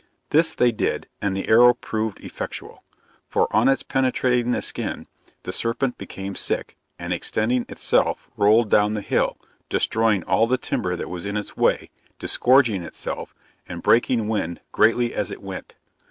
This they did, and the arrow proved effectual; for on its penetrating the skin, the serpent became sick, and extending itself rolled down the hill, destroying all the timber that was in its way, disgorging itself and breaking wind greatly as it went.